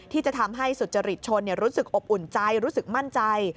ที่จะทำให้สุจริตชนรู้สึกอบอุ่นใจรู้สึกมั่นใจ